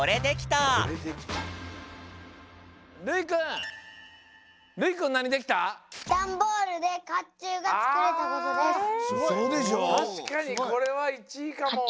たしかにこれは１位かも。